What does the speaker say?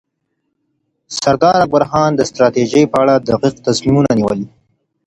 سردار اکبرخان د ستراتیژۍ په اړه دقیق تصمیمونه نیول.